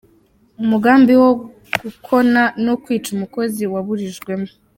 Umugambi wabo wo gukona no kwica umukozi waburijwemo